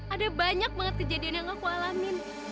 ada banyak banget kejadian yang aku alamin